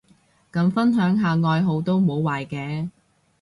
咁分享下愛好都無壞嘅